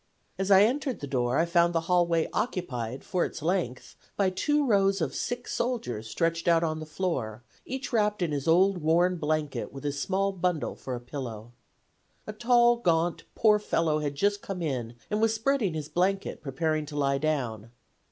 As I entered the door I found the hallway occupied for its length by two rows of sick soldiers stretched on the floor, each wrapped in his old worn blanket with his small bundle for a pillow. A tall, gaunt, poor fellow had just come in and was spreading his blanket, preparing to lie down.